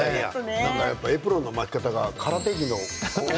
やっぱりエプロンの巻き方が空手着の。